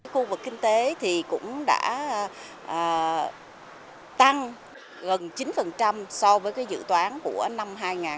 khu vực kinh tế cũng đã tăng gần chín so với dự toán của năm hai nghìn một mươi bảy